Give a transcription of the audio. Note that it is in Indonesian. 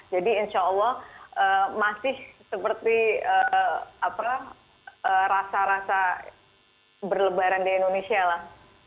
jadi insya allah masih seperti apa rasa rasa berlebaran di indonesia lah